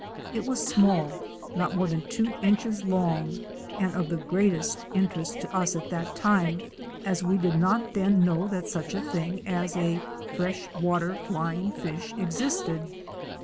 It was small, not more than two inches long, and of the greatest interest to us at that time, as we did not then know that such a thing as a fresh water flying fish existed.